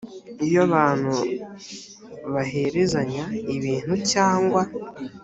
iyo abantu baherezanya ibintu cyangwa